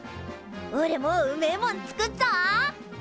おれもうめえもん作っぞ！